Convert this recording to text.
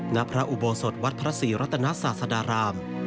ณพระอุโบสถวัดพระศรีรัตนศาสดาราม